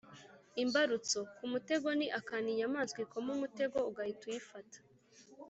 imbarutso: ku mutego ni akantu inyamaswa ikoma umutego ugahita uyifata.